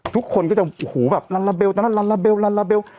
ทุกคนก็จะหูแบบลันลาเบลลันลาเบลลันลาเบล